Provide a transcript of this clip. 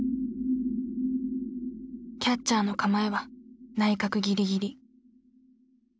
キャッチャーの構えは内角ギリギリ。